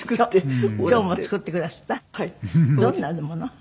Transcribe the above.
どんなもの？